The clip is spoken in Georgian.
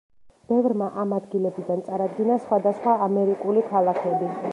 ბევრმა ამ ადგილებიდან წარადგინა სხვადასხვა ამერიკული ქალაქები.